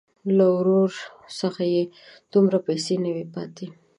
له ورور څخه یې دومره پیسې نه وې پاتې.